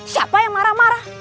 siapa yang marah marah